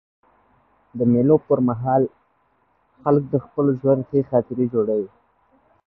د مېلو پر مهال خلک د خپل ژوند ښې خاطرې جوړوي.